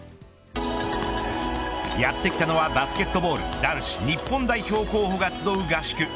やってきたのはバスケットボール男子日本代表候補が集う合宿。